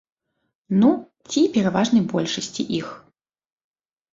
Ну, ці пераважнай большасці іх.